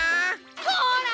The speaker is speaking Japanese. ほら！